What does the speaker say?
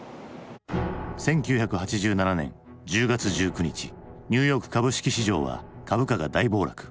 １９８７年１０月１９日ニューヨーク株式市場は株価が大暴落。